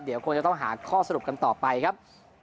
เดี๋ยวคงจะต้องหาข้อสรุปกันต่อไปครับ